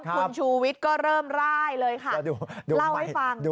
คุณชูวิทย์ก็เริ่มร่ายเลยค่ะเล่าให้ฟัง